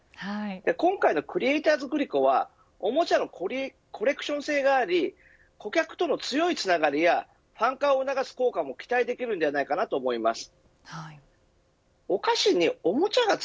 今回のクリエイターズグリコはおもちゃのコレクション性があり顧客との強いつながりやファン化を促す効果も期待できると思います。